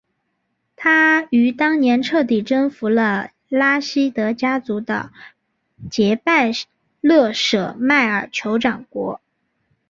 他于当年彻底征服了拉希德家族的杰拜勒舍迈尔酋长国。